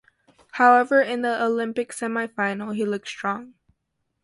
However, in the Olympic semi-final he looked strong.